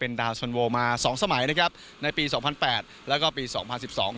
ดาวชนโวมาสองสมัยนะครับในปีสองพันแปดแล้วก็ปีสองพันสิบสอง